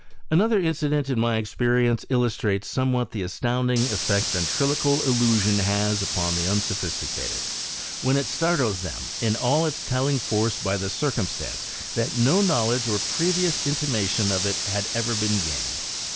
Another incident in my experience illustrates somewhat the astounding effect a ventriloquial illusion has upon the unsophisti cated, when it startles thern in all its telling force by the circum stance that no knowledge or previous intimation of it had ever been gained.